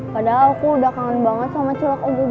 padahal aku udah kangen banget sama cilok ogo